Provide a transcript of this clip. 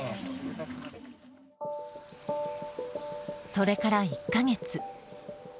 それから１か月。